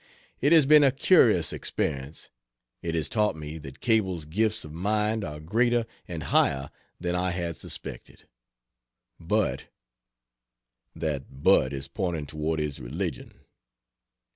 It has been a curious experience. It has taught me that Cable's gifts of mind are greater and higher than I had suspected. But That "But" is pointing toward his religion.